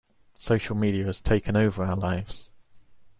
Social media has taken over our lives.